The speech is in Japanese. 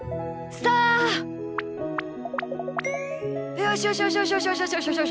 よしよしよしよしよし。